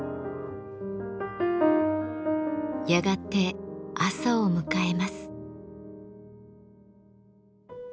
やがて朝を迎えます。